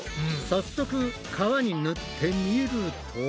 早速皮に塗ってみると。